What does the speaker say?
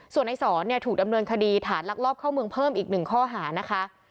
ส่วนในสอนเนี่ยถูกดำเนินคดีฐานลักลอบเข้าเมืองเพิ่มอีกหนึ่งข้อหานะคะ